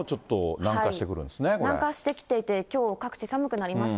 南下してきていて、きょう、各地寒くなりました。